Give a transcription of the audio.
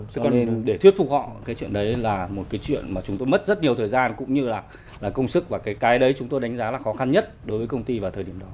thế còn để thuyết phục họ cái chuyện đấy là một cái chuyện mà chúng tôi mất rất nhiều thời gian cũng như là công sức và cái đấy chúng tôi đánh giá là khó khăn nhất đối với công ty vào thời điểm đó